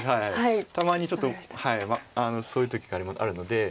たまにちょっとそういう時があるので。